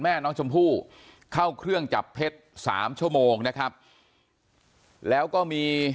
แม่น้องชมพู่เข้าเครื่องจับเท็จสามชั่วโมงนะครับแล้วก็มี